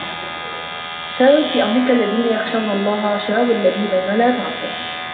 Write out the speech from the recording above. شاور في أمرك الذين يخشون الله شاور لبيباً ولا تعصه